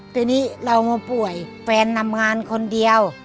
ทีนี้เรามาป่วยแฟนทำงานคนเดียว